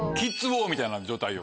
みたいな状態よ。